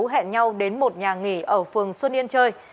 hẹn nhau đến một nhà nghỉ ở phường xuân yên chơi